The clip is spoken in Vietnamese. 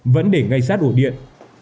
vẫn để ngay sát ổ điện